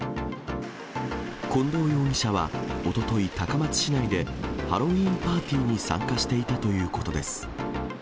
近藤容疑者はおととい、高松市内でハロウィーンパーティーに参加していたということです。